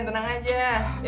tenang aja ya